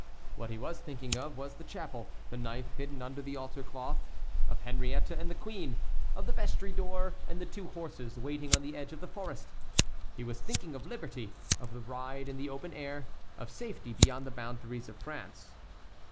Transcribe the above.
What he was thinking of was the chapel, the knife hidden under the altar cloth, of Henriette and the queen, of the vestry door, and the two horses waiting on the edge of the forest; he was thinking of liberty, of the ride in the open air, of safety beyond the boundaries of France.